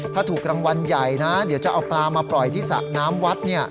ถ้าถูกรางวัลใหญ่นะเดี๋ยวจะเอาปลามาปล่อยที่สระน้ำวัด